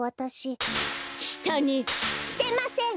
してません！